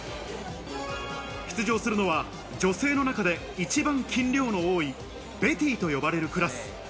出場するのは女性の中で一番筋量の多いベティと呼ばれるクラス。